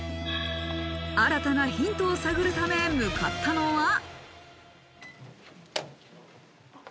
新たなヒントを探るため向かったのは。